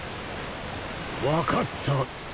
分かった。